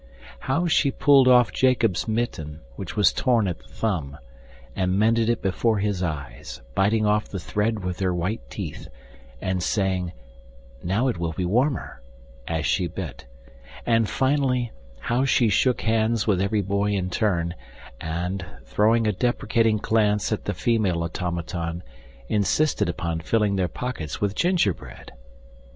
How she pulled off Jacob's mitten, which was torn at the thumb, and mended it before his eyes, biting off the thread with her whit teeth, and saying "Now it will be warmer" as she bit; and finally, how she shook hands with every boy in turn and, throwing a deprecating glance at the female automaton, insisted upon filling their pockets with gingerbread!